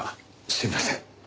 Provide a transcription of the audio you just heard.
すみません。